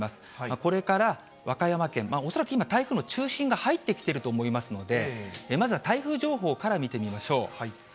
これから和歌山県、恐らく今、台風の中心が入ってきていると思いますので、まずは台風情報から見てみましょう。